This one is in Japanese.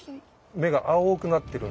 目が青くなってるんです。